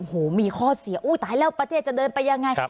โอ้โหมีข้อเสียอุ้ยตายแล้วประเทศจะเดินไปยังไง